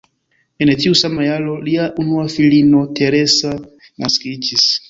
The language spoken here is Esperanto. En tiu sama jaro lia unua filino Teresa naskiĝis.